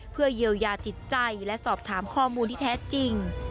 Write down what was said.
เพื่อเยียวยาจิตใจและสอบถามข้อมูลที่แท้จริง